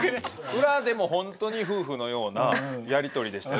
裏でも本当に夫婦のようなやり取りでしたよ。